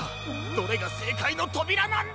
どれがせいかいのとびらなんだ！？